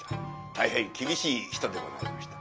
大変厳しい人でございました。